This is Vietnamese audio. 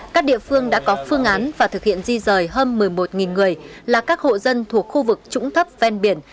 các địa phương đã có phương án và thực hiện di rời hơn một mươi một người là các hộ dân thuộc khu vực trũng thấp ven biển